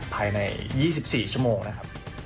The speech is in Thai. ภายใน๒๔ชั่วโมง